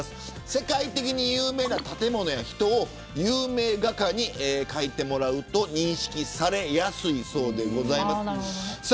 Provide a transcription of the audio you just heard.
世界的に有名な建物や人を有名画家に描いてもらうと認識されやすいそうでございます。